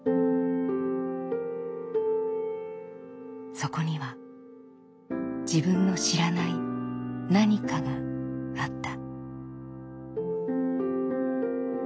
そこには自分の知らない“何か”があった。